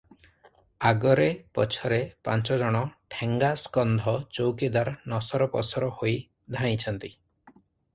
ଆଗରେ ପଛରେ ପାଞ୍ଚଜଣ ଠେଙ୍ଗାସ୍କନ୍ଧ ଚୌକିଦାର ନସର ପସର ହୋଇ ଧାଇଁଛନ୍ତି ।